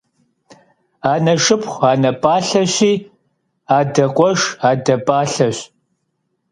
Ane şşıpxhu ane palheşi, ade khueşş ade palheşş.